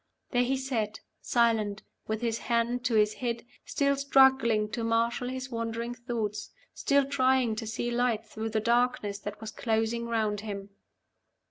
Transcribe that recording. There he sat, silent, with his hand to his head, still struggling to marshal his wandering thoughts, still trying to see light through the darkness that was closing round him.